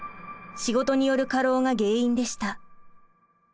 仕事による過労が原因でした。